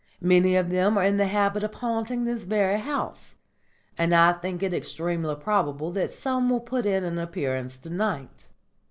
Many of them are in the habit of haunting this very house, and I think it extremely probable that some will put in an appearance to night.